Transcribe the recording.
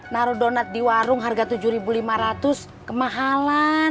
naro donat di warung harga tujuh ribu lima ratus kemahalan